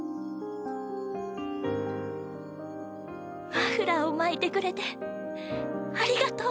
マフラーを巻いてくれてありがとう。